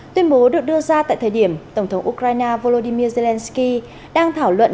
tuyên bố được đưa ra tại thời điểm tổng thống ukraine volodymyr zelensky đang thảo luận